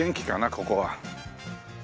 ここは。